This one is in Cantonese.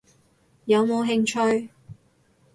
有冇興趣？